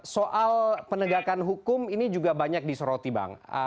soal penegakan hukum ini juga banyak disoroti bang